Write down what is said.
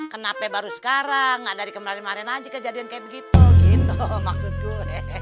kenapa baru sekarang enggak dari kemarin kemarin aja kejadian kayak begitu gitu maksud gua